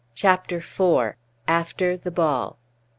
CHAPTER IV. AFTER THE BALL.